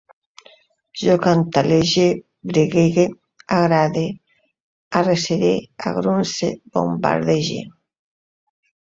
Jo cantalege, breguege, agrade, arrecere, agrunse, bombardege